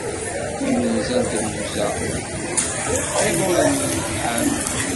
Imenza n tirrugza, deg yiqiḍunen n Ḥam.